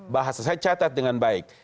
bahasa saya catat dengan baik